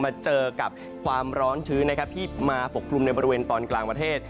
มาเจอกับความร้อนชื้นนะครับที่มาปกกลุ่มในบริเวณตอนกลางประเทศ